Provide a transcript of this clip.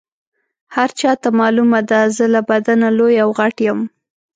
هر چاته معلومه ده زه له بدنه لوی او غټ یم.